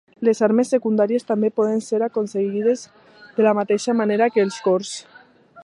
Les armes secundàries també poden ser aconseguides de la mateixa manera que els cors.